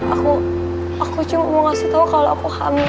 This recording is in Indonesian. aku aku cuma mau ngasih tau kalau aku hamil